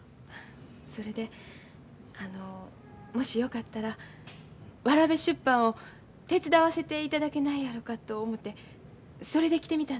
それであのもしよかったらわらべ出版を手伝わせていただけないやろかと思てそれで来てみたんです。